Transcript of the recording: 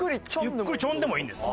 ゆっくりチョンでもいいんです。